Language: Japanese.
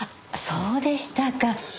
そうでしたか。